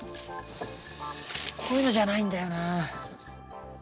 こういうのじゃないんだよな。